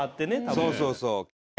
そうそうそう。